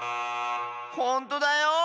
ほんとだよ！